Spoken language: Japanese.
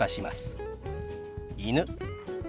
「犬」。